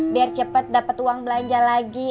biar cepet dapet uang belanja lagi